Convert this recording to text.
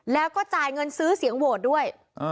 แล้วก็จ่ายเงินซื้อเสียงโหวตด้วย